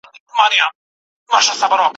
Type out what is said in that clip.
له ربابي سره شهباز ژړله